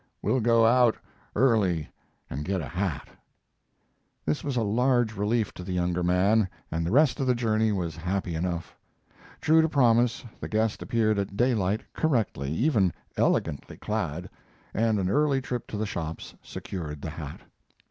We'll go out early and get a hat." This was a large relief to the younger man, and the rest of the journey was happy enough. True to promise, the guest appeared at daylight correctly, even elegantly clad, and an early trip to the shops secured the hat.